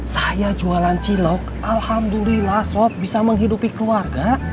saya jualan cilok alhamdulillah sop bisa menghidupi keluarga